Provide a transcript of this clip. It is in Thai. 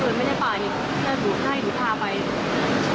เดี๋ยวพี่จะไปบอกแม่ทำไมให้แม่กินมาก